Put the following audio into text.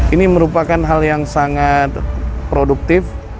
ini merupakan hal yang sangat produktif